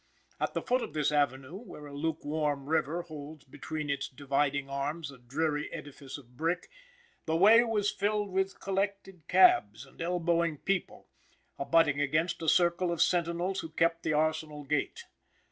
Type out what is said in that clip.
At the foot of this avenue, where a lukewarm river holds between its dividing arms a dreary edifice of brick, the way was filled with collected cabs, and elbowing people, abutting against a circle of sentinels who kept the arsenal gate.